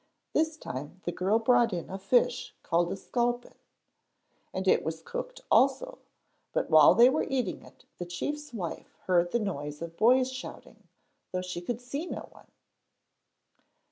This time the girl brought in a fish called a sculpin, and it was cooked also; but while they were eating it the chief's wife heard the noise of boys shouting, though she could see no one.